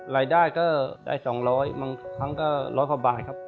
รายได้ก็ได้๒๐๐บาทบางครั้งก็๑๐๐บาทครับ